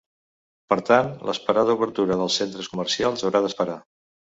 Per tant, l’esperada obertura dels centres comercials haurà d’esperar.